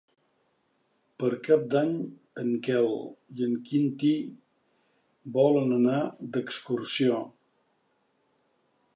Per Cap d'Any en Quel i en Quintí volen anar d'excursió.